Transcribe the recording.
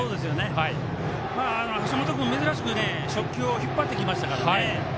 橋本君、珍しく初球を引っ張ってきましたからね。